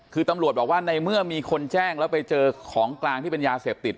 คือตำรวจบอกว่าในเมื่อมีคนแจ้งแล้วไปเจอของกลางที่เป็นยาเสพติด